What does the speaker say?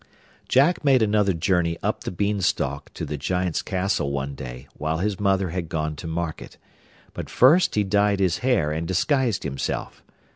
Jack made another journey up the Beanstalk to the Giant's castle one day while his mother had gone to market; but first he dyed his hair and disguised himself.